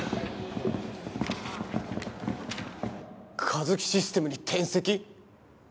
カヅキシステムに転籍！？